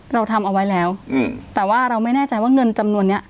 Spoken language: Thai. เราทำเอาไว้แล้วอืมแต่ว่าเราไม่แน่ใจว่าเงินจำนวนเนี้ย